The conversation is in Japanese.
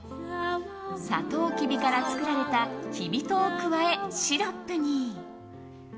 サトウキビから作られたきび糖を加え、シロップに。